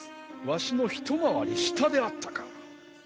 わしの一回り下であったか。